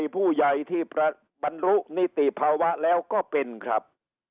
ผู้ใหญ่ที่ประบรรลุนิติภาวะแล้วก็เป็นครับ